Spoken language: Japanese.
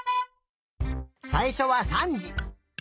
さいしょは３じ。